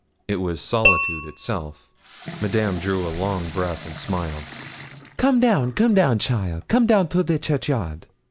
It was solitude itself. Madame drew a long breath and smiled. 'Come down, come down, cheaile come down to the churchyard.'